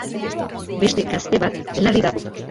Beste gazte bat larri dago.